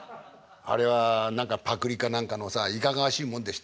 あれは何かパクリか何かのさいかがわしいもんでした。